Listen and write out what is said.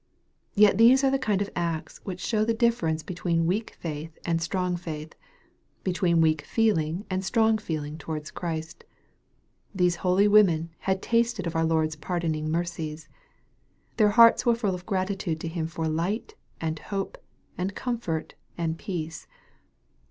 Yet these are the kind of acts which show the difference between weak faith and strong faith between weak feeling and strong feeling towards Christ. These holy women had tasted of our Lord's pardoning mercies. Their hearts were full of gratitude to Him for light, and hope, and comfort, and peace.